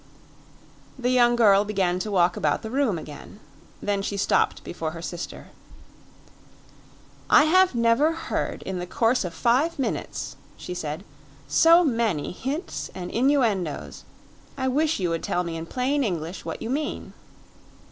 The young girl began to walk about the room again; then she stopped before her sister. "I have never heard in the course of five minutes," she said, "so many hints and innuendoes. I wish you would tell me in plain English what you mean."